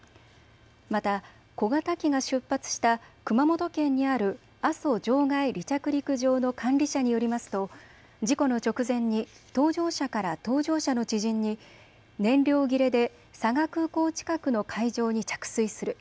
また、小型機が出発した熊本県にある阿蘇場外離着陸場の管理者によりますと事故の直前に搭乗者から搭乗者の知人に燃料切れで佐賀空港近くの海上に着水する。